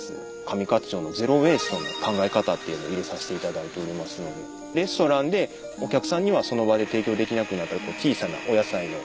上勝町のゼロ・ウェイストの考え方っていうの入れさしていただいておりますのでレストランでお客さんにはその場で提供できなくなった小さなお野菜の。